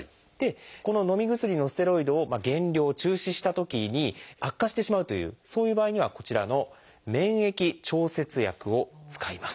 こののみ薬のステロイドを減量中止したときに悪化してしまうというそういう場合にはこちらの免疫調節薬を使います。